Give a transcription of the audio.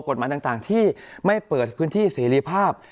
กฎหมายต่างที่ไม่เปิดพื้นที่เสรีภาพ